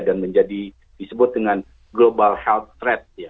dan disebut dengan global health threat